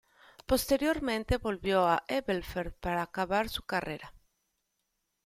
Posteriormente volvió a Elberfeld para acabar su carrera.